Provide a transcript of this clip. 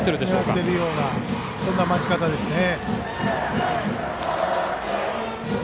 狙っているような待ち方ですね。